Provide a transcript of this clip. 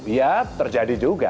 iya terjadi juga